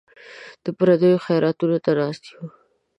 د پردیو خیراتونو ته ناست یو.